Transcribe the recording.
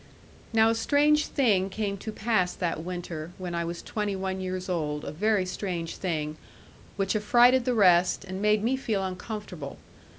Now a strange thing came to pass that winter, when I was twenty one years old, a very strange thing, which affrighted the rest, and made me feel uncomfortable.